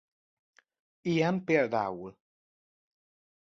Ilyen például